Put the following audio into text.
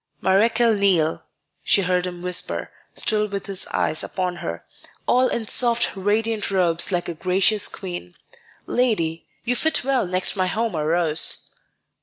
"Marechal Niel," she heard him whisper, still with his eyes upon her, "all in soft, radiant robes like a gracious queen. Lady, you fit well next my Homer rose."